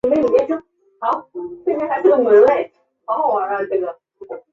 巴黎老佛爷百货公司和春天百货两大百货公司都坐落在奥斯曼大道。